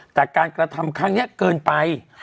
แต่การกระทำครั้งนี้เกินไป